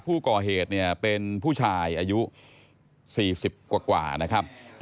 ผู้ก่อเหตุเนี่ยเป็นผู้ชายอายุ๔๐กว่านะครับ